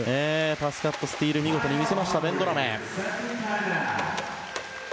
パスカット、スチール見事に見せました、ベンドラメ。